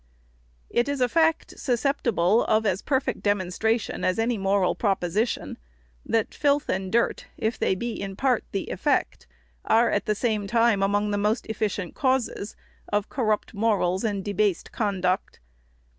" It is a fact, susceptible of as perfect demonstration as any moral proposition, that filth and dirt, if they be in part the effect, are, at the same time, among the most efficient causes of corrupt morals and debased conduct.